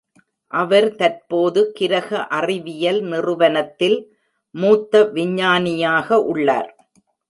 அவர் தற்போது கிரக அறிவியல் நிறுவனத்தில் மூத்த விஞ்ஞானியாக உள்ளார்.